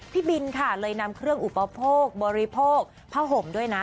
พี่บินค่ะเลยนำเครื่องอุปโภคบริโภคผ้าห่มด้วยนะ